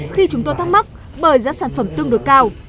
khi chúng tôi thắc mắc bởi giá sản phẩm tương đối cao